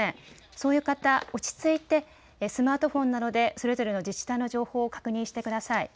そういう方、落ち着いてスマートフォンなどでそれぞれの自治体の情報を確認してください。